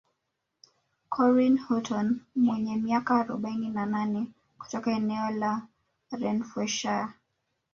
Corinne Hutton mwenye miaka arobaini na nane kutoka eneo la Renfrewshire